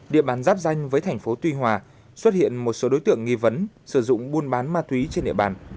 địa bàn giáp danh với thành phố tuy hòa xuất hiện một số đối tượng nghi vấn sử dụng buôn bán ma túy trên địa bàn